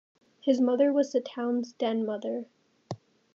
His mother was the town's den mother.